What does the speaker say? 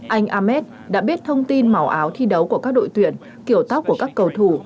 anh ahmed đã biết thông tin màu áo thi đấu của các đội tuyển kiểu tóc của các cầu thủ